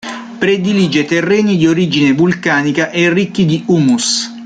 Predilige terreni di origine vulcanica e ricchi di humus.